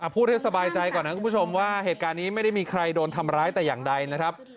พูดให้สบายใจก่อนนะคุณผู้ชมว่าเหตุการณ์นี้ไม่ได้มีใครโดนทำร้ายแต่อย่างใดนะครับ